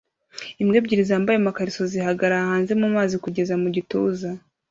Imbwa ebyiri zambaye amakariso zihagarara hanze mumazi kugeza mugituza